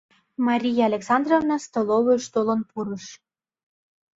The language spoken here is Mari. Мария Александровна столовыйыш толын пурыш.